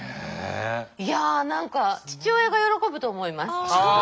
いや何か父親が喜ぶと思います。